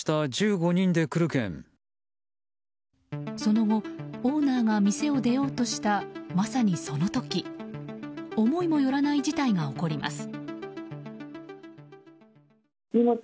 その後、オーナーが店を出ようとした、まさにその時思いもよらない事態が起こります。